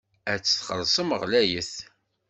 Ad tt-txellṣem ɣlayet.